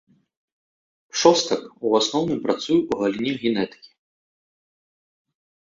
Шостак ў асноўным працуе ў галіне генетыкі.